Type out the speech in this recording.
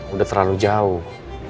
udah terlalu jauh